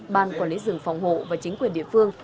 ban quản lý rừng phòng hộ và chính quyền địa phương